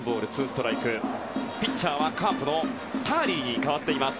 ピッチャーはカープのターリーに代わっています。